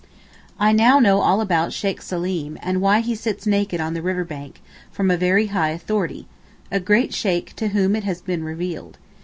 I now know all about Sheykh Seleem, and why he sits naked on the river bank; from very high authority—a great Sheykh to whom it has been revealed.